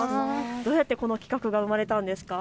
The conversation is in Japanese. どうやってこの企画が生まれたんですか。